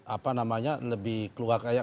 apa namanya lebih keluar kayak